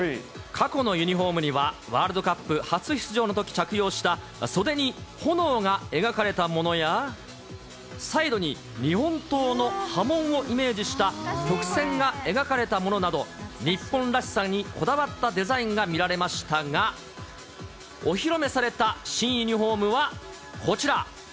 過去のユニホームには、ワールドカップ初出場のとき着用した袖に炎が描かれたものや、サイドに日本刀の刃文をイメージした曲線が描かれたものなど、日本らしさにこだわったデザインが見られましたが、お披露目された新ユニホームは、こちら。